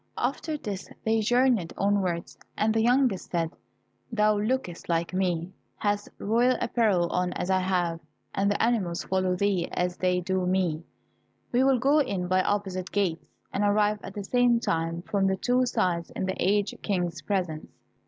After this they journeyed onwards, and the youngest said, "Thou lookest like me, hast royal apparel on as I have, and the animals follow thee as they do me; we will go in by opposite gates, and arrive at the same time from the two sides in the aged King's presence."